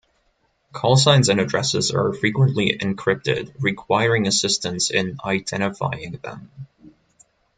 Callsigns and addresses are frequently encrypted, requiring assistance in identifying them.